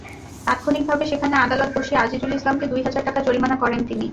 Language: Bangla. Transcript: তাৎক্ষণিকভাবে সেখানে আদালত বসিয়ে আজিজুল ইসলামকে দুই হাজার টাকা জরিমানা করেন তিনি।